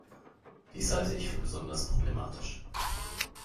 Dies halte ich für besonders problematisch.